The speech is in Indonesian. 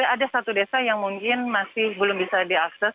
ada satu desa yang mungkin masih belum bisa diakses